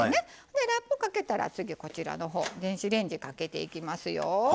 ラップかけたら次こちらのほう電子レンジかけていきますよ。